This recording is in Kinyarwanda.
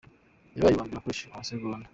yabaye uwa mbere akoresheje amasegonda